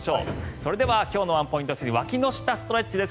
それでは今日のワンポイントストレッチ速報です。